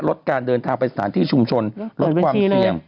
ลดการเดินทางไปสถานที่ชุมชนลดความเสี่ยง